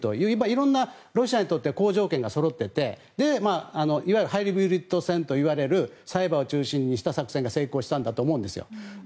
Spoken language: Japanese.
色んな、ロシアにとっては好条件がそろっていていわゆるハイブリッド戦といわれるサイバーを中心にした作戦が成功したんだと思うんですよ。